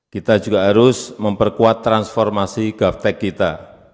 kita juga harus memperkuat transformasi gaftech kita